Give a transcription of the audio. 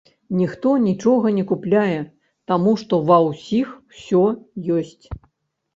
Ніхто нічога не купляе, таму што ва ўсіх усё ёсць.